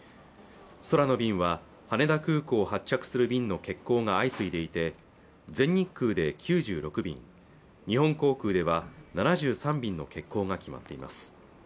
空の便は羽田空港を発着する便の欠航が相次いでいて全日空で９６便日本航空では７３便の欠航が決まっています